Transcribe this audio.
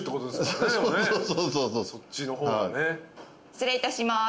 失礼いたします。